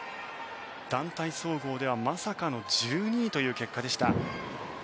団体総合ではまさかの１２位という結果でした。